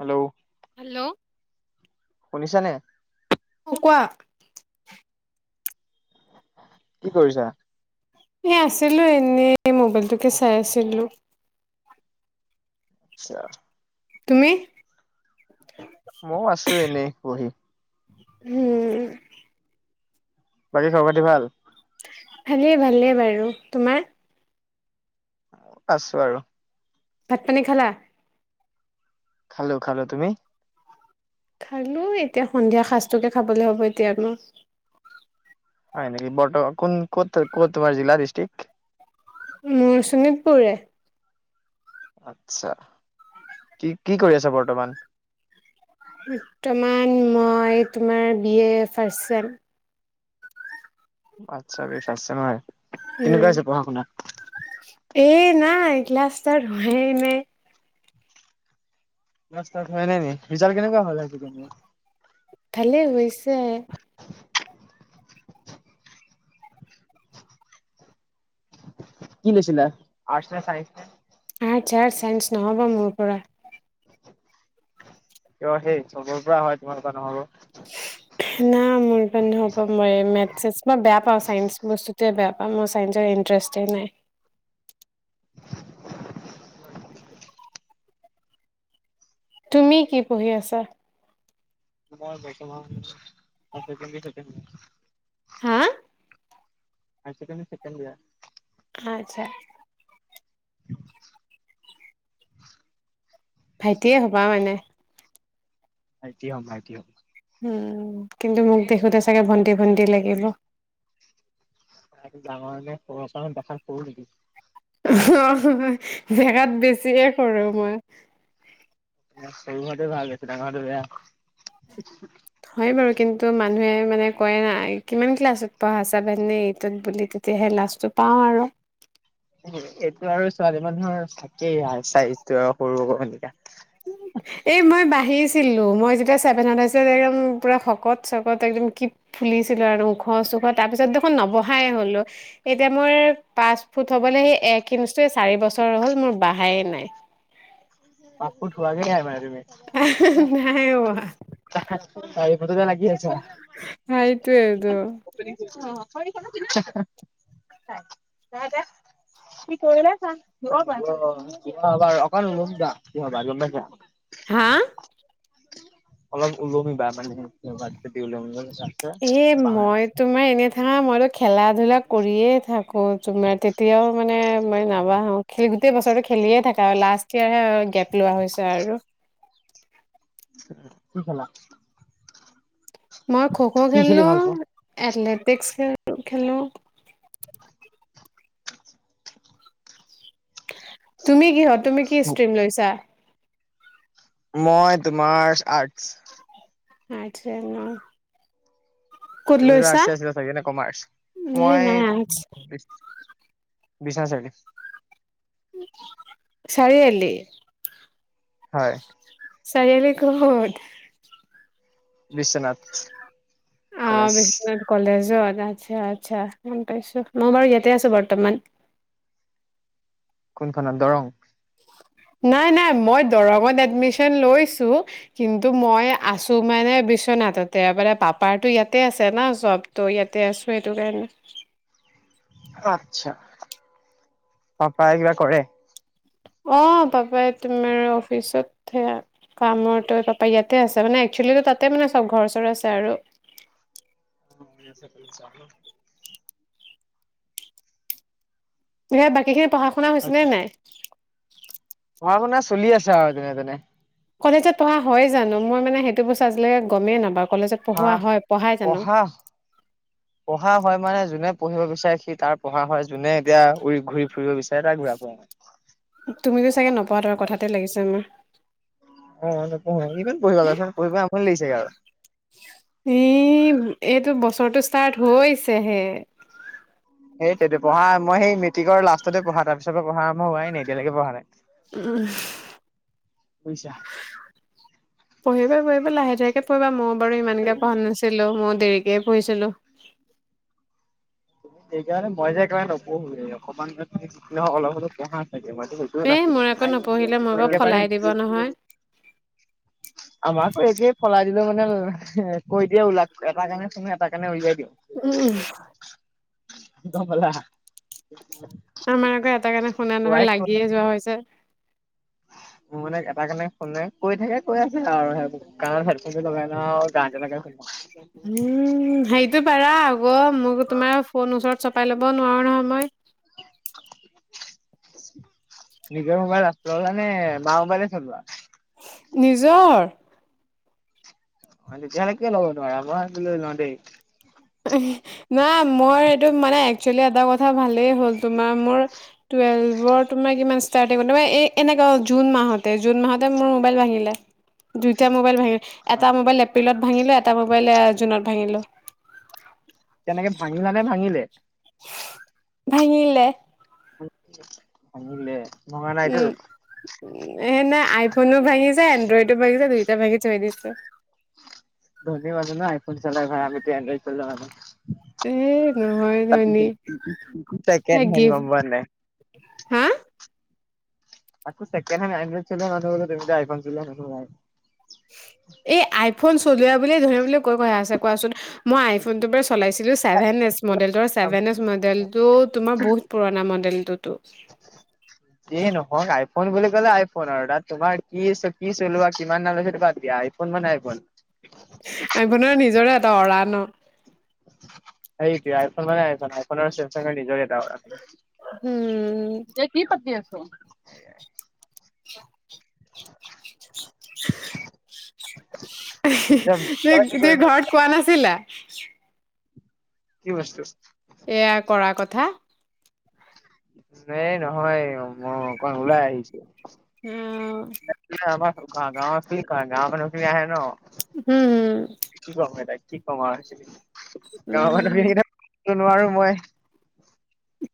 Hello hello শুনিছা নাই অ কোৱা কি কৰিছা এ আছিলো এনেই মোবাইলটোকে চাই আছিলো আচ্ছা তুমি মই আছো এনেই কবহি উম বাকী খবৰ খাতি ভাৱ ভালেই ভালেই বাৰু তোমাৰ আছো বাৰু ভাত পানী খালা খালো খালো তুমি খালো এতিয়া সন্ধিয়া সাঁজটোকে খাবলৈ হ'ব এতিয়া মো হয় নেকি ব কোন ক'ত ক তোমাৰ জিলা ডিষ্ট্ৰিক্ উ শোণিতপুৰৰে আচ্ছা কি কি কৰি আছে বৰ্তমান বৰ্তমান মই তোমাৰ বিয়ে ফাষ্ট টাইম আচ্ছা বেছ আছে নহয় উম এ নাই লাষ্টৰ ধহে নাই নস্তাত হোৱাই নাই নি ৰিজাল্ট কেনেকোৱা হল আজি ভাল হৈছে কি লৈছিলা আৰ্ট নে চাইঞ্চ আৰ্টছ আৰু চাইন্স নহব মোৰ পৰা কিয় সেই চবৰ পৰা হয় তোমালোকাৰ নহব না মোৰ পা নহব ম ই মেটছ মই বেয়া পাওঁ চাইন্স বস্তুটে বেয়া পাওঁ মোৰ চাইন্সৰ ইন্টাৰেষ্টেই নাই তুমি কি পঢ়ি আছা মই [unintelligible] হা হাই চেকেণ্ডডেৰি চেকেণ্ড ইয়েৰ আচ্ছা [unintelligible] হুমচ ভাইটিয়ে হবা মানে ভাইটি হ ভাইটি হ উম কিন্তু মোক দেখোতে চাগে ভণ্টি ভণ্টি লাগিব ডাঙৰ যে সচা দেখল কৰু নিকি জেগাত বেছিয়ে সৰো মই না সৰু হোৱাটো ভাল বেছি ডাঙৰ হোৱাটো বেয়া হয় বাৰু কিন্তু মানুহে মানে কয় নাই কিমান ক্লাছত পঢ়া চাভেন নে এইটত বুলি তেতিয়াহে লাজটো পাওঁ আৰু এইটো আৰু ছোৱালী মানুহৰ থাকেই আৰু চাইটো সৰু আকৌ ভনিকা এই মই বাহি আহিছিল ত মই যেতিয়া চভেন আছিলো হে উম পুৰা শকত চকত একদম কি ফুলিছিলো আৰু ওখ চোখ তাৰ পিছত দেখোন নবহাই হলো এতিয়া মই পাঁচ ফুট হবলৈ সেই এক ইঞ্চি চাৰি বছৰ হ'ল মোৰ বাহাই নাই পাপো থোৱাকোই মান ত নাই হোৱা [unintelligible] মোৰ তোকে লাগি আছ অ এইটোৱে এইটোৱে হা হা কি কৰিলে চা বাৰু অকণ মোক দা কি হয় বাগুম পা চ হা অলপ ওলমি বাহ দাল দি লংগে এ মই তোমাৰ এনে থাকা মইতো খেলা ধূলা কৰিয়েই থাক কৌ তুমাৰ তেতিয়াও মানে মই নাবাহো খেল গোটেই বছৰটো খেলিয়ে থাকা হয় লাষ্ট ইয়োৰহে গেপ লোৱা হৈছে আৰু কি খেলা মই খ' খ' কি খেলি খেলিলো ভাল পোৱা? এথলেট টেক্স খেল খেলো তুমি কিহত তুমি কি ষ্ট্ৰ্ৰীম লৈছা মই তোমাৰ আৰ্টছ আৰ্টচে ন ক'ত তুমি লৈছা? আৰ্ষ্টে আছিলা চাগে নে কমাৰ্চ এ নাই আৰ্টছ মই বিচনা চাৰি চাৰিআলি হয়। চাৰিআলি কোখিনিত বিশ্বনাথ অ কলেজ বিশ্বনাথ কলেজ অ আচ্ছা আচ্ছা গম পাইছো মই বাৰু ইয়াতে আছো বৰ্তমান কোনখনত দৰং নাই নাই মই দৰঙত এডমিচন লৈছো কিন্তু মই আছো মানে বিশ্বনাথতে পাপাৰটো ইয়াতে আছে ন চবো ইয়াতে আছো সেইটো কাৰণে আচ্ছা পাপাই কিবা কৰে অ পাপাই তোমাৰ অফিচত সেয়া কাম পাপ ইয়াতে আছে মানে একচুৱেলি তাতে মানে চব ঘৰ চৰ আছে আৰু [unintelligible] সে বাকী খে [unintelligible] পঢ়া শুনা হৈছে নে নাই [unintelligible] পঢ়া শুনা চলি আছে আও যেনে তেনে কলেজত পঢ়া হয় জানো মই মানে সেইটো বস্তু আজিলৈকে গমে নাপাওঁ কলেজত পঢ়োৱা হাহ হয়, পঢ়াই জানো? পঢ়া পঢ়া হয় মানে যোনে পঢ়িব বিচাৰে সি তাৰ পঢ়া হয় যোনে এতিয়া উৰি ঘূৰি ফুৰিব বিচাৰে [unintelligible] তুমি চাগে নপ- পাদৰ কথাতে লাগিছে আমা অ নপঢ়ে ইমান পঢ়িব [unintelligible] পঢ়ি পঢ়ি আমনি লাগিছে আৰু ই এইটো বছৰটো ষ্টাৰ্ট হৈছেহে সেইতোৱেটো পঢ়া মই সেই মেট্ৰিক লাষ্টতে পঢ়া তাৰ পিছৰ পৰা পঢ়া আৰম্ভ হোৱাই নাই এতিয়া লৈকে পঢ়া নাই উ বুজিছা পঢ়িবা পঢ়িবা লাহে ধীৰে কে আকৌ এবা মম ইমানকে পঢ়া নাছিলো মই দেৰিক কে পঢ়িছিলো সেইকাৰণে মই যে একবাৰে নপঢ়োৱে অকমান তুমি অলপ হলেওঁ পঢ়া [unintelligible] এ মোৰ আকৌ নপঢ়িলে মোক আকৌ একেবাৰে ফলাই দিব নহয়। আমাক একেই ফলাই দিলেও মানে কৈ দিয়ে ওলাক এটা কাণে শুনো এটা কাণে উলিয়ায় দিওঁ উম গমলা আমাৰ আকৌ এটা কানে শুনা নহয় কৈ লাগিয়ে যোৱা হৈছে মোৰ মানে এটা কাৰণে ফোন নাই কৈ থাকে কৈ আছে আৰু ই কাৰণ হেডফোনটো লগাই লও গান এটা লৈ শুনি থাকো উম হেড- তো পাৰাও ৱ মোক তোমাৰ ফোন ওচৰত চপাই ল'ব নোৱাৰো নহয় মই [unintelligible] নিজে সোমাই ৰা- ললা মানে মওম বাৰে চলোৱা। নিজৰ যেতিয়া লৈকে ল'ব নোৱাৰা মই আছিলো নহয় দেই - নাই মই এইটো মানে একচোৱেলি এটা কথা ভালেই হল তোমাৰ মোৰ টোয়েভৰ ৰ্টাৰটিঙত এনে জুন মাহতে জুন মাহতে মোৰ মোবাইল ভাঙিলে, দুইটা মোবাইল ভঙি এটা মোবাইল এপ্ৰিলত ভাঙিলো, এটা মোবাইল জুনত ভাঙিলো। তেনেকে ভাঙিলা নে ভাঙিলে। ভাঙিলে। ভাঙিলে। ভঙা নাইটো। এ নাই আইফোনো ভাঙিছে, এড্ৰইডো ভাঙিছে দুইটা ভাঙি থৈ দিছে। ধনী মানুহ ন আইফোন চলাই ভাই আমিটো এড্ৰইড চলোৱা মানুহ। এ নহয় ধনী গিফ্ট হা [unintelligible] [unintelligible] এ আই- ফোন চলুৱা বুলিয়ে ধৰিবলৈ বুলি কৈ আছে কোৱাচোন মই আইফোন চলাইছিলো চেভেন মডেলৰ মডেলটো তোমাৰ বহুত পুৰণা মডেলটোতো ফোন বুলি ক'লে আইফোন আৰু তোমাৰ কি, কি চলোৱা কিমান দাম লৈছে সেইটো ব দিয়া আইফোন মানে আইফোন। আইফোনৰ নিজৰে এটা অৰা ন- সেইটো আইফোন মানে আইফোন আইফোনৰ ছেমচাংৰ নিজৰ এটা অৰা উ'ম। [unintelligible] [unintelligible] তুমি তুমি ঘৰত এতিয়া কি কোৱা কৰিবা নাছিলা। [unintelligible] কি? বস্তু- এয়া কৰা কথা- এ নহয় মই অকণ ওলাই আহিছো। উ'ম। [unintelligible] হ'ম। কি ক'ম এতিয়া কি কম হৈছে। উ'ম। নোৱাৰো মই।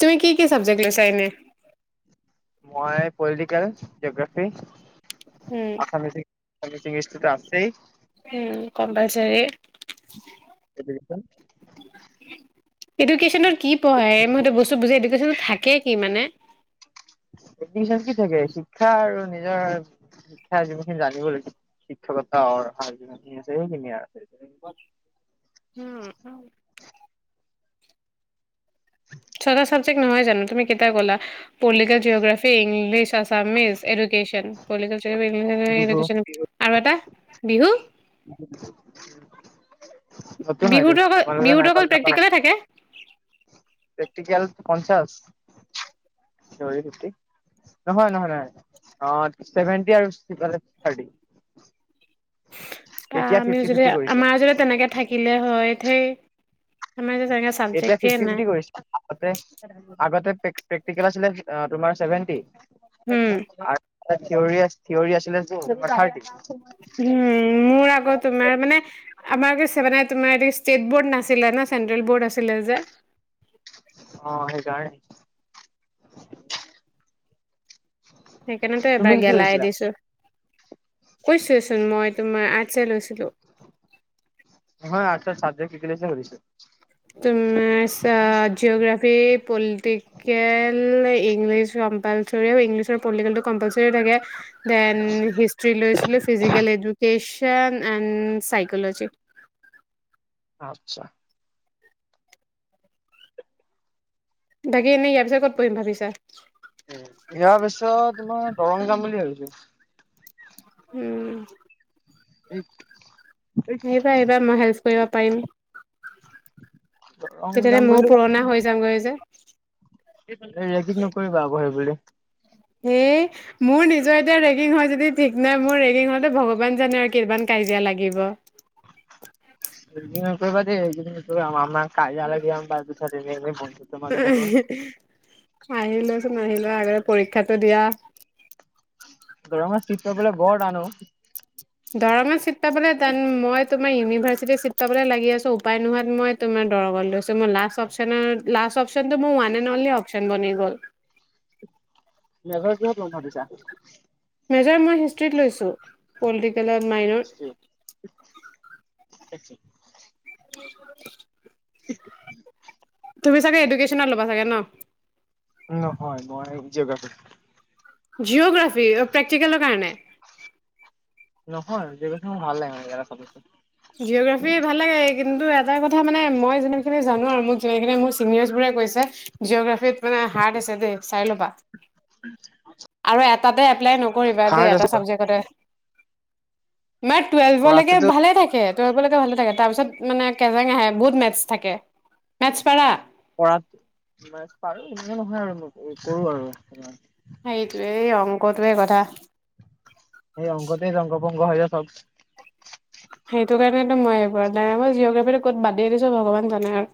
তুমি কি কি চাবজেক্ট লৈছা এনে। মই political, geography- um Assamese- Assamese ইংলিছটো ত আছেই। উ'ম কম্পলচৰি। কে কছ [unintelligible] এডুকেশ্যনৰ। কি পঢ়াই মইেতো বস্তু বুজি দি। থাকে কি মানে? এডমিন কি থাকে শিক্ষা আৰু নিজৰ শিক্ষা যিমানখিনি জানিব লাগিব শিক্ষকতা অ হ যিনি আছে সেইখিনিয়ে আৰু আছে। উম', চটা চাব চাবজেক্ট নহয় জানো তুমি কেইটা কলা political geography English Assamese. Education Bihu [unintelligible] আৰু এটা বিহু। উম ', বিহুতো অকল -বিহুতো অকল নাপালা প্ৰেক্টিকলে থাকে। তেতিয়াহলে পঞ্চাছ। থিওৰি নিকি? নহয় -নহয় - নহয় অহ ', ছেভেন্তি আৰু থাৰ্টি। আহ এতিয়া ', আমিও ফিফটি যদি ফিফটি কৰিছে আমাৰ যদি তেনেকে থাকিলে হয় ধেই। আমাৰ যে তেনেকে এতিয়া চাবজেক্টে ফিফটি- নাই ফিফটি কৰিছে। আগতে প্ৰক্টি -প্ৰেক্টিকেল আছিলে আহ ', তোমাৰ চভেনটি। উম আৰ্ট [inaudible] তাত থিয়ৰি -থিয়ৰৰি আছিলে [unintelligible] থাৰ্টি। উম', মোৰ আগৰ তোমাৰ মানে আমাৰ ছেভেন তুমাৰ এটো ষ্টেট বৰ্ড নাছিলা ন চেন্ট্ৰেল বৰ্ড আছিলে যে। অহ ', সেইকাৰণে। সেইকাৰণেতো তুমি এবাৰ কি কি গেলাই লৈছিলা দিছো। কৈছোচোন মই তোমাৰ আৰ্টচ লৈছিলো। হয় আৰ্টচ চাবজেক্ট কি- কি লৈছা খুধিছে? জিঅ'গ্ৰাফী এডুকেশ্বন তাৰপিছত ইংলিছৰ পলিটিকেলটো কম্পালসৰী থাকে দেন হিষ্টৰী লৈছিলোঁ ফিছিকেলী এডুকেশ্বন এণ্ড সাইকলযি আচ্ছা। বাকী এনেই ইয়াৰ পিছত ক'ত পঢ়িম ভাবিছা? উম ', ইয়াৰ পিছত। তোমাৰ দৰংজাম বুলি ভাবিছো। উম', এই আহিবা- আহিবা মই হেল্প কৰিব পাৰিম। দৰং তেতিয়াহ'লে মইয়ো পূৰণা হৈ যামগৈ যে। কি ৰেগিং নকৰিবা আকৌ সেইবুলি। হেই মোৰ নিজৰ এতিয়া ৰেগিং হয় যদি ঠিক নাই মোৰ ৰেগিং হয়তে ভগৱান জানে আৰু কিমান কাজিয়া লাগিব। ৰেগিং নকৰিবা -দে ৰেগিং নকৰিবা আমাৰ কাজিয়া লাগি পাচঁ বছৰ বহি থাকিব লাগিব। উম আহিলেচোন আহিলে আগতে পৰীক্ষাটো দিয়া দৰংত চিত পাবলৈ বৰ টান দৰং চিত তাৰ মানে টান মই তোমাৰ ইউনিভাৰ্চিটিত চিট পাবলৈ লাগি আছো উপায় নোহোৱাত মই তোমাৰ দৰংত লৈছো ম লাষ্ট অপচ্যন লাষ্ট অপচ্যনতটো মোৰ ওৱান এণ্ড অনলি অপচ্যন বনি গ'ল। মেজৰ কিহত ল'ম ভাবিছা মেজাৰ মই হিষ্ট্ৰীত লৈছো পেলা মাইন আ [inaudible] চি [inaudible] হে [inaudible] তুমি চাগে এডুকেশ্বনত ল'বা ছাগে ন নহয় নই জিঅ'গ্ৰাফি। জিঅ'গ্ৰাফি প্ৰেক্টিকেলৰ কাৰণে নহয় জিঅ'গ্ৰাফিক মোৰ ভাল লাগে মানে সদস্য জিঅ'গ্ৰাফি ভাল লাগে কিন্তু এটা কথা মানে মই যে সেই জানো আৰু মোক যেনে তেনে চিনিয়ৰ্ছ বোৰে কৈছে জিঅ'গ্ৰাফিতত মানে হাৰ্ট আছে দেই চাই ল'বা আৰু এ তাতে এপলাই নকৰো কৰিবা হাৰ্ড দেই আছে এটা চাবজেক্টতে মানে টুৱেল্ভলৈকে কৰাটোতো ভালে থাকে। তোয়েলফ লৈকে ভালে থাকে, তাৰ পিছত মানে কেজাং আহে বহুত মেথছ থাকে মেথছ পাৰা। কৰাত ম পাৰো এনেকা নহয় আৰু কৰো আৰু সেইটোয়ে অংকটোৱে কথা সেই অংকতে ধংস ভংগ হৈ যায় চ'ব। সেইটো মই এইব নাই মই জিঅগ্ৰাফীটো ক'ত বাদেয় দিছো ভগৱান জানে আৰু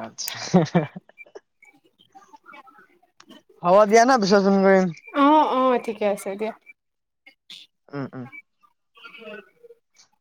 আতছা হব দিয়া ন পিছত ফন মাৰিম অ অ ঠিকে আছে দিয়া উম উম উম